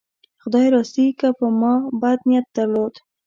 خدای راستي که ما بد نیت درلود.